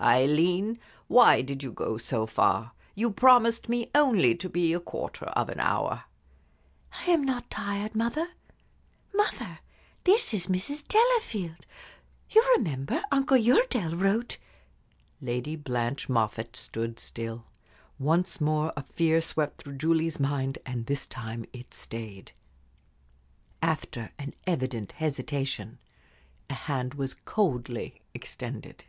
"Aileen, why did you go so far? You promised me only to be a quarter of an hour." "I am not tired, mother. Mother, this is Mrs. Delafield. You remember, Uncle Uredale wrote " Lady Blanche Moffatt stood still. Once more a fear swept through Julie's mind, and this time it stayed. After an evident hesitation, a hand was coldly extended.